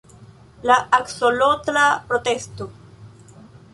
La aksolotla protesto